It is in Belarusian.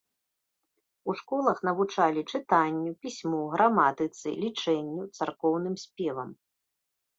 У школах навучалі чытанню, пісьму, граматыцы, лічэнню, царкоўным спевам.